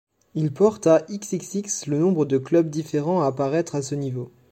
Il porte à xxx le nombre de clubs différents à apparaître à ce niveau.